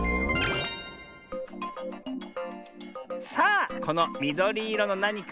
さあこのみどりいろのなにか。